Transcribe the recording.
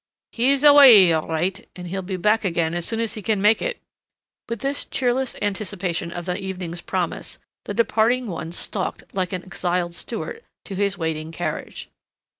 "He's awa' all right and he'll be back again as soon as he can make it." With this cheerless anticipation of the evening's promise, the departing one stalked, like an exiled Stuart, to his waiting carriage.